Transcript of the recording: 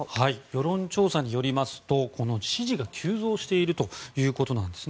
世論調査によりますとこの支持が急増しているということなんです。